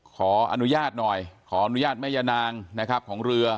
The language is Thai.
ขออนุญาตหน่อยขออนุญาตแม่ย่านางนะครับของเรือ